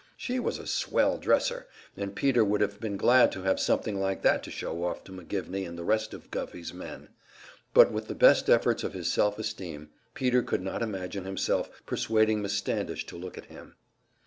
She was a "swell dresser," and Peter would have been glad to have something like that to show off to McGivney and the rest of Guffey's men; but with the best efforts of his self esteem, Peter could not imagine himself persuading Miss Standish to look at him.